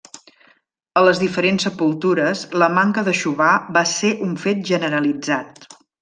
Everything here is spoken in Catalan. A les diferents sepultures la manca d'aixovar va ser un fet generalitzat.